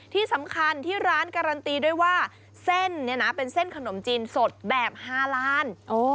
ที่สำคัญที่ร้านการันตีด้วยว่าเส้นเนี่ยนะเป็นเส้นขนมจีนสดแบบ๕ล้าน